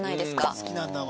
「好きなんだわ」。